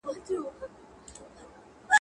د شکر ناروغي د پښتورګو ستونزې زیاتوي.